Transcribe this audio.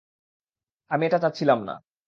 আমি এটা চাচ্ছিলাম না।